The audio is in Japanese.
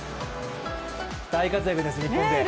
大活躍です、日本勢。